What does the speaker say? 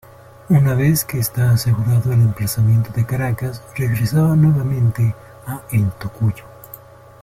Una vez que está asegurado el emplazamiento de Caracas regresaba nuevamente a El Tocuyo.